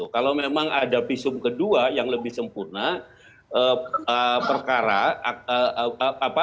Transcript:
kalau memang ada visum kedua yang lebih sempurna perkara